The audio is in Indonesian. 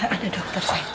ada dokter sayang